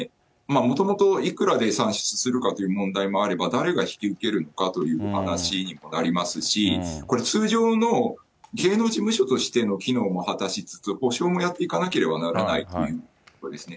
もともといくらで算出するかという問題もあれば、誰が引き受けるかという話にもなりますし、これ、通常の芸能事務所としての機能も果たしつつ、補償もやっていかなければならないということですね。